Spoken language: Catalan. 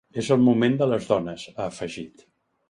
És el moment de les dones, ha afegit .